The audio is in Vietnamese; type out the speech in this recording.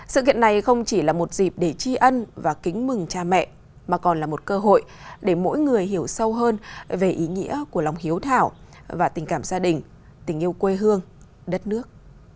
sự kiện này không chỉ là một dịp để tri ân và kính mừng cha mẹ mà còn là một cơ hội để mỗi người hiểu sâu hơn về ý nghĩa của lòng hiếu thảo và tình cảm gia đình tình yêu quê hương đất nước